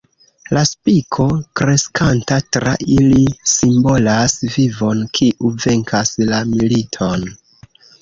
La spiko, kreskanta tra ili, simbolas vivon, kiu venkas la militon.